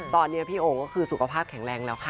ตอนนี้พี่โอ่งก็คือสุขภาพแข็งแรงแล้วค่ะ